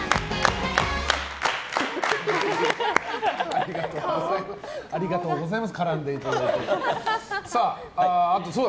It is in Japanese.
ありがとうございます。